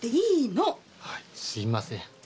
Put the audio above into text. はいすいません。